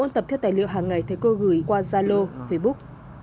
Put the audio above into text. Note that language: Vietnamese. dạy liệu hàng ngày thấy cô gửi qua zalo facebook